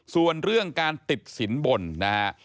ส่วนเรื่องการติดสินบนนะฮะ